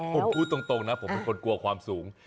ผมพูดตรงนะผมเป็นคนกลัวความสูง